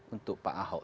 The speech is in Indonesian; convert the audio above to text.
untuk pak ahok